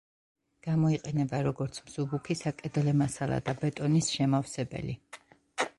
გამოიყენება როგორც მსუბუქი საკედლე მასალა და ბეტონის შემავსებელი.